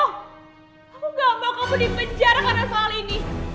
aku gak mau kamu di penjara karena soal ini